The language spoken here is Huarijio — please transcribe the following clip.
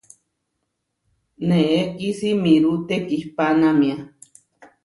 Neé kisimirú tekihpánamia.